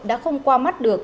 đã không qua mắt được